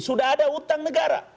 sudah ada utang negara